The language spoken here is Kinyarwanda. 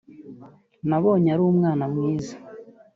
nabonye ari umwana mwiza